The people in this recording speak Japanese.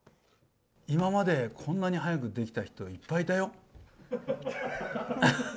今までこんなに早くできた人いっぱいいたよ。